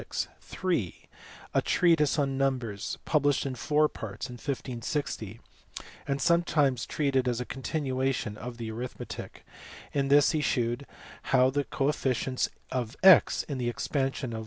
(iii) A treatise on numbers, published in four parts in Ku >0, and sometimes treated as a continuation of the arithmetic : in this he shewed how the coefficients of a; in expansion of (1 f.